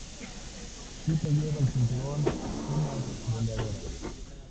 Siempre lleva en el cinturón unas boleadoras.